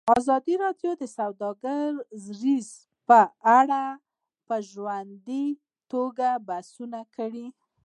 ازادي راډیو د سوداګري په اړه په ژوره توګه بحثونه کړي.